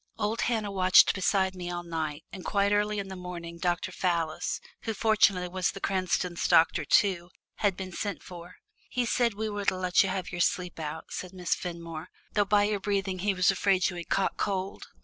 Old Hannah watched beside me all night, and quite early in the morning Dr. Fallis, who fortunately was the Cranstons' doctor too, had been sent for. "He said we were to let you have your sleep out," said Miss Fenmore, "though by your breathing he was afraid you had caught cold.